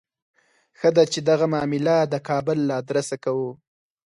ښه ده چې دغه معامله د کابل له آدرسه کوو.